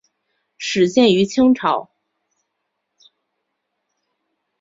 始建于清朝。